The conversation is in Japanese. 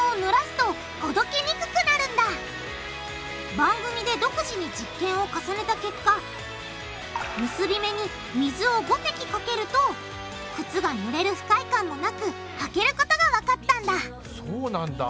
番組で独自に実験を重ねた結果結び目に水を５滴かけると靴がぬれる不快感もなく履けることがわかったんだそうなんだ。